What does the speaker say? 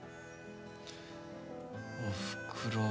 おふくろか。